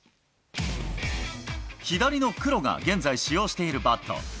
左の黒が現在使用しているバット。